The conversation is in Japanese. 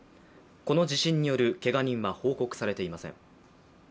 この地震によるけが人は報告されていません。